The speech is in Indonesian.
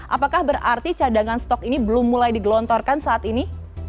apakah berarti cadangan stok ini belum mulai digelontorkan saat ini